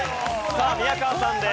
さあ宮川さんです。